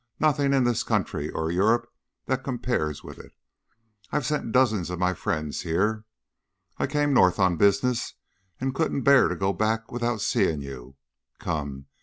Nothing in this country or Europe that compares with it, and I've sent dozens of my friends here. I came north on business and couldn't bear to go back without seeing you. Come!